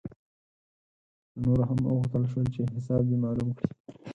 له نورو هم وغوښتل شول چې حساب دې معلوم کړي.